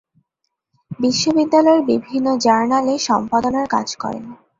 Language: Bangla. বিশ্ববিদ্যালয়ের বিভিন্ন জার্নালে সম্পাদনার কাজ করেন।